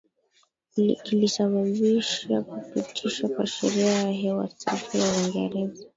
kilisababisha kupitishwa kwa Sheria ya Hewa Safi ya Uingereza